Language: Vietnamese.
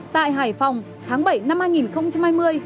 tại hải phòng tháng bảy năm hai nghìn hai mươi